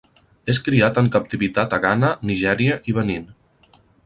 És criat en captivitat a Ghana, Nigèria i Benín.